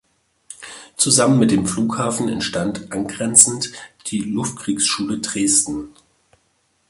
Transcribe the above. Zusammen mit dem Flughafen entstand angrenzend die Luftkriegsschule Dresden.